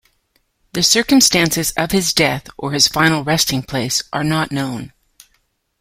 The circumstances of his death or his final resting place are not known.